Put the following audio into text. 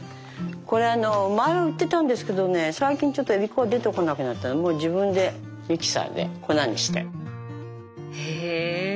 これあの前は売ってたんですけどね最近ちょっとえび粉が出てこなくなったらもう自分でミキサーで粉にして。へ。